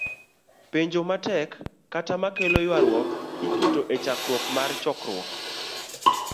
Penjo ma tek, kata ma kelo ywaruok, iketo e chakruok mar chokruok